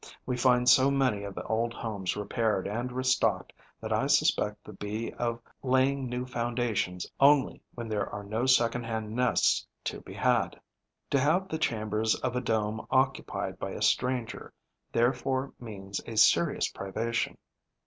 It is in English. We find so many of the old homes repaired and restocked that I suspect the Bee of laying new foundations only when there are no secondhand nests to be had. To have the chambers of a dome occupied by a stranger therefore means a serious privation.